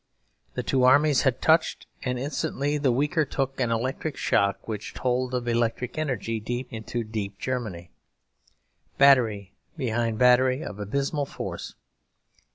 The two armies had touched; and instantly the weaker took an electric shock which told of electric energy, deep into deep Germany, battery behind battery of abysmal force.